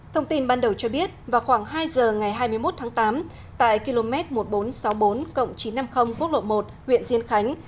thông tin ban đầu cho biết vào khoảng hai giờ ngày hai mươi một tháng tám tại km một nghìn bốn trăm sáu mươi bốn chín trăm năm mươi quốc lộ một huyện diên khánh